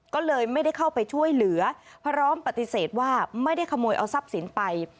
ก็เลยไม่ได้เข้าไปช่วยเหลือพร้อมปฏิเสธว่าไม่ได้ขโมยเอาทรัพย์สินไป